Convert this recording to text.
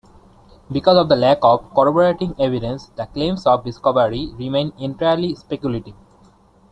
Because of the lack of corroborating evidence, the claims of discovery remain entirely speculative.